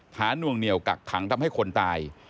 นวงเหนียวกักขังทำให้คนตาย